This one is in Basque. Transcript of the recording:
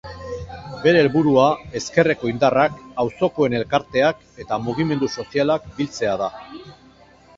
Bere helburua ezkerreko indarrak, auzokoen elkarteak eta mugimendu sozialak biltzea da.